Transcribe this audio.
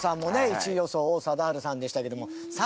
１位予想王貞治さんでしたけども３位。